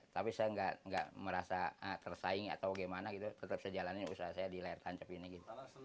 tapi saya gak merasa tersaing atau gimana gitu tetap saya jalani usaha saya di layar tancap ini